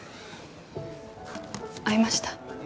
会いました？